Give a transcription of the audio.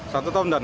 satu tahun dan